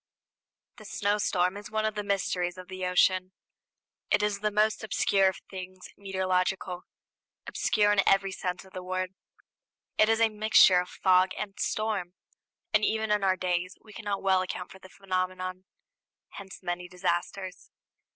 The snowstorm is one of the mysteries of the ocean. It is the most obscure of things meteorological obscure in every sense of the word. It is a mixture of fog and storm; and even in our days we cannot well account for the phenomenon. Hence many disasters.